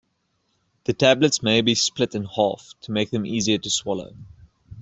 The tablets may be split in half to make them easier to swallow.